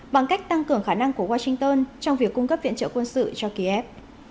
bằng cách tăng cường khả năng của washington trong việc cung cấp viện trợ quân sự cho kiev